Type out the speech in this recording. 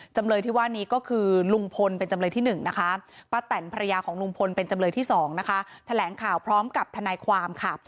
จำเลยที่ว่านี้ก็คือลุงพลเป็นจำเลยที่๑นะคะป้าแตนภรรยาของลุงพลเป็นจำเลยที่๒นะคะแถลงข่าวพร้อมกับทนายความค่ะ